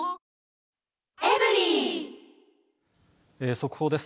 速報です。